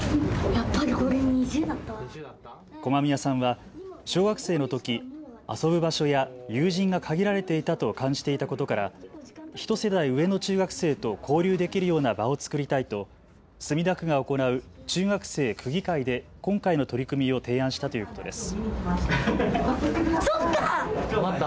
駒宮さんは小学生のとき遊ぶ場所や友人が限られていたと感じていたことからひと世代上の中学生と交流できるような場を作りたいと墨田区が行う中学生区議会で今回の取り組みを提案したということです。